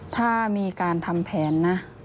ถ้ามีการทำแผนนะ